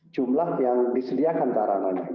jumlah yang disediakan sarananya